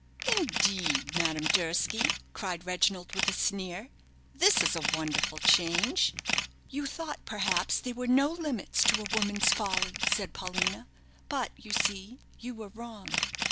"Indeed, Madame Durski!" cried Reginald, with a sneer; "this is a wonderful change." "You thought, perhaps, there were no limits to a woman's folly," said Paulina; "but you see you were wrong.